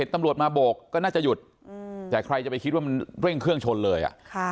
ตำรวจมาโบกก็น่าจะหยุดแต่ใครจะไปคิดว่ามันเร่งเครื่องชนเลย